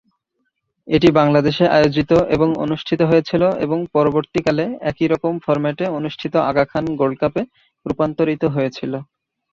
এটি বাংলাদেশে আয়োজিত এবং অনুষ্ঠিত হয়েছিল এবং পরবর্তী কালে একই রকম ফর্ম্যাটে অনুষ্ঠিত আগা খান গোল্ড কাপে রূপান্তরিত হয়েছিল।